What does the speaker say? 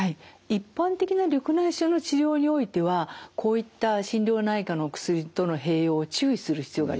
一般的な緑内障の治療においてはこういった心療内科のお薬との併用を注意する必要があります。